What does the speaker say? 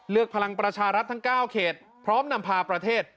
พลังประชารัฐทั้ง๙เขตพร้อมนำพาประเทศ